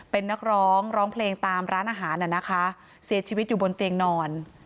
เป็นนักร้องร้องเพลงตามร้านอาหารน่ะนะคะเสียชีวิตอยู่บนเตียงนอน